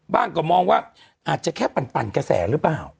ก็มองว่าอาจจะแค่ปั่นกระแสหรือเปล่า